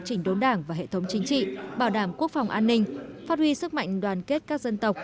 chỉnh đốn đảng và hệ thống chính trị bảo đảm quốc phòng an ninh phát huy sức mạnh đoàn kết các dân tộc